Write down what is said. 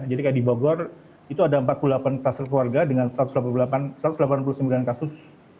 jadi di bogor itu ada empat puluh delapan kluster keluarga dengan satu ratus delapan puluh sembilan kasus